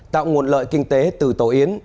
tạo nguồn lợi kinh tế từ tổ yến